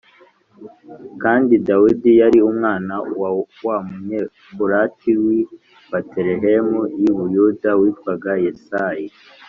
Kandi Dawidi yari umwana wa wa Munyefurati w’i Betelehemu y’i Buyuda witwaga Yesayi